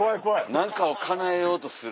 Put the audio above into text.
何かをかなえようとする。